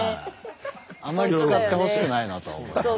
あまり使ってほしくないなとは思います。